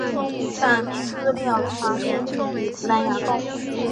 但资料传输率比蓝牙高。